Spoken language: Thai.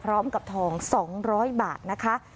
พร้อมกับทอง๒๐๐บาทนะคะ